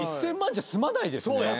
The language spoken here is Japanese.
１，０００万じゃ済まないですね。